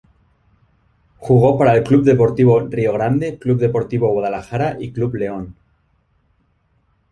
Jugó para el Club Deportivo Río Grande, Club Deportivo Guadalajara y Club León.